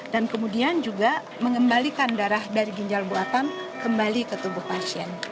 dan kemudian juga mengembalikan darah dari ginjal buatan kembali ke tubuh pasien